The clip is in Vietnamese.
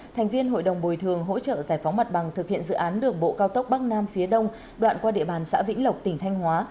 thành viên hội đồng bồi thường hỗ trợ giải phóng mặt bằng thực hiện dự án đường bộ cao tốc bắc nam phía đông đoạn qua địa bàn xã vĩnh lộc tỉnh thanh hóa